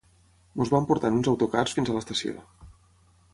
Ens van portar en uns autocars fins a l'estació